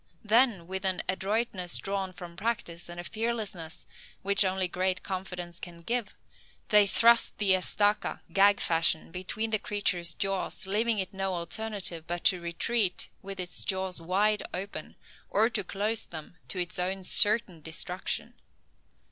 Then, with an adroitness drawn from practice, and a fearlessness which only great confidence can give, they thrust the estaca, gag fashion, between the creature's jaws, leaving it no alternative but to retreat with its jaws wide open, or to close them to its own certain destruction.